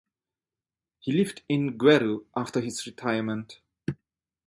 He lived in Gweru after his retirement.